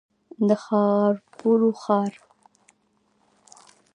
د ښاپورو ښار.